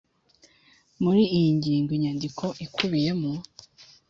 Muri iyi ngingo inyandiko ikubiyemo